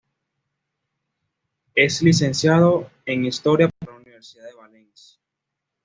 Es licenciado en historia por la Universidad de Valencia.